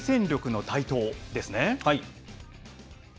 新戦力の台頭ですね。